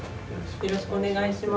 よろしくお願いします。